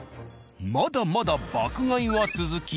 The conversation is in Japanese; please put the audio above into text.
まだまだ爆買いは続き。